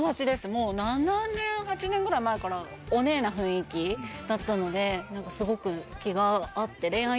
もう７年８年ぐらい前からオネエな雰囲気だったのですごく安心するんだよね